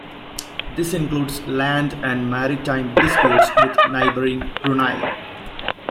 This includes land and maritime disputes with neighbouring Brunei.